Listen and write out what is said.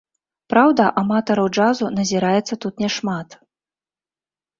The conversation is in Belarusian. Праўда, аматараў джазу назіраецца тут не шмат.